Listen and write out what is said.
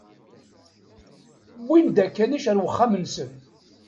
Wwin-d akanic ar wexxam-nsen.